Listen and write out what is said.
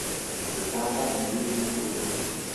Giocata nell'ultimo turno.